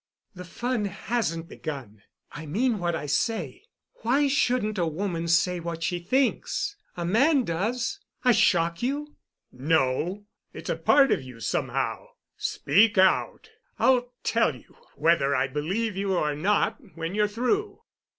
"The fun hasn't begun. I mean what I say. Why shouldn't a woman say what she thinks? A man does. I shock you?" "No—it's part of you somehow. Speak out. I'll tell you whether I believe you or not when you're through."